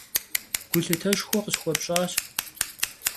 Gulhıteşşxue khısxuepş'aş.